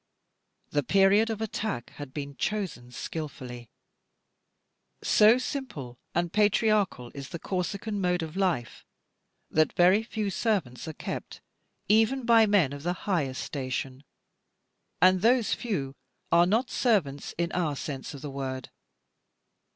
The period of attack had been chosen skilfully. So simple and patriarchal is the Corsican mode of life, that very few servants are kept, even by men of the highest station; and those few are not servants in our sense of the word.